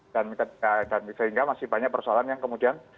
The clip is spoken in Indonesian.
dan sehingga masih banyak persoalan yang kemudian